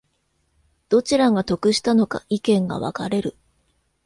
どちらが得したのか意見が分かれる